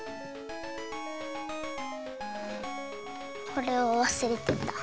これをわすれてた。